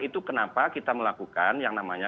itu kenapa kita melakukan yang namanya